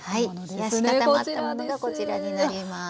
冷やし固まったものがこちらになります。